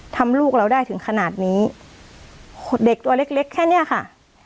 ทำลูกเราได้ถึงขนาดนี้เด็กตัวเล็กเล็กแค่เนี้ยค่ะ